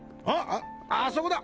ああそこだ！！